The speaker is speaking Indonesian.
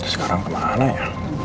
sekarang kemana ya